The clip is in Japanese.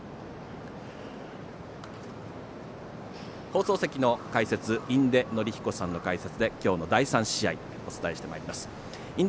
放送席の解説印出順彦さんの解説で今日の第３試合お伝えしてまいります。